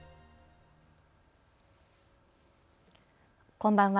こんばんは。